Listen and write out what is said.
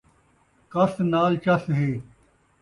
کَس نال چَس ہے